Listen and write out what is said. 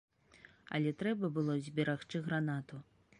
Але трэба было зберагчы гранату.